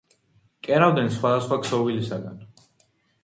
კერავდნენ სხვადასხვა ქსოვილისაგან.